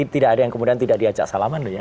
tidak ada yang kemudian tidak diajak salaman loh ya